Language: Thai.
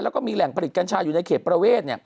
แล้วก็มีแหล่งผลิตกัญชาอยู่ในเขตประเวท